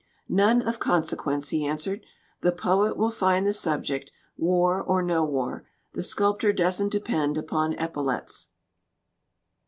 "None of consequence," he answered. "The poet will find the subject, war or no war. The sculptor doesn't depend upon epaulets."